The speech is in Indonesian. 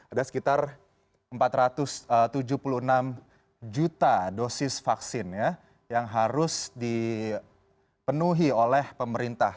ada sekitar empat ratus tujuh puluh enam juta dosis vaksin yang harus dipenuhi oleh pemerintah